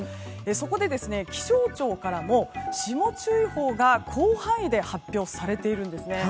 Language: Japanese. そこで、気象庁からも霜注意報が広範囲で発表されているんですね。